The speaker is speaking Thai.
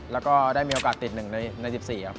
แล้วก็ได้มีโอกาสติด๑ใน๑๔ครับ